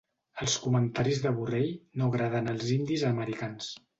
Els comentaris de Borrell no agraden als indis americans